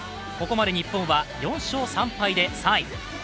ここまで日本は４勝３敗で３位。